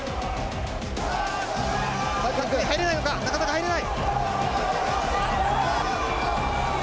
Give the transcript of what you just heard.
タックル入れないのか、なかなか入れない。